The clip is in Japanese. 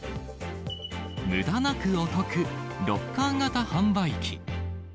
むだなくお得、ロッカー型販売機。